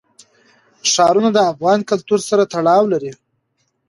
ښارونه د افغان کلتور سره تړاو لري.